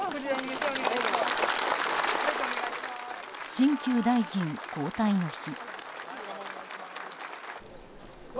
新旧大臣、交代の日。